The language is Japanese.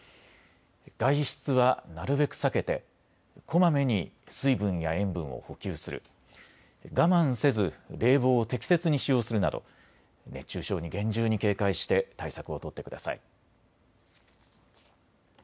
外出はなるべく避けてこまめに水分や塩分を補給する、我慢せず冷房を適切に使用するなど熱中症に厳重に警戒して対策を取ってください。